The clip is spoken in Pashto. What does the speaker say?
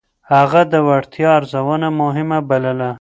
هغه د وړتيا ارزونه مهمه بلله.